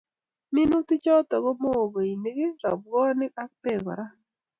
Minutichoto ko muhogoinik, robwonik ak Bek kora